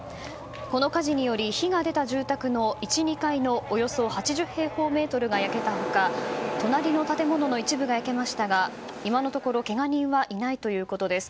この火事により火が出た住宅の１２階のおよそ８０平方メートルが焼けた他隣の建物の一部が焼けましたが今のところけが人はいないということです。